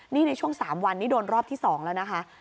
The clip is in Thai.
นี่ในช่วง๓วันนี้โดนรอบที่๒แล้วนะคะ